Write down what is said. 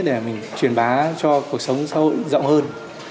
để mình truyền bá cho cuộc sống xã hội rộng hơn